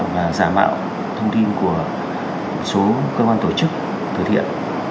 và giả mạo thông tin của số cơ quan tổ chức thời thiện